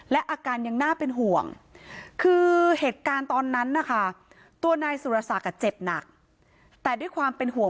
และอาการยังน่าเป็นห่วงคือเหตุการณ์ตอนนั้นนะคะ